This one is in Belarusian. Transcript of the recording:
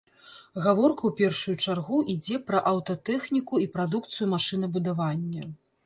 Гаворка ў першую чаргу ідзе пра аўтатэхніку і прадукцыю машынабудавання.